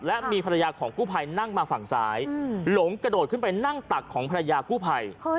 และมีภรรยาของกู้ภัยนั่งมาฝั่งซ้ายหลงกระโดดขึ้นไปนั่งตักของภรรยากู้ภัย